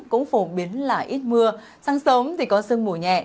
cũng phổ biến là ít mưa sáng sớm thì có sương mù nhẹ